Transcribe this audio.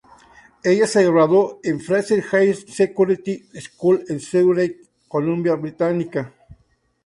Ella se graduó de Fraser Heights Secondary School en Surrey, Columbia Británica.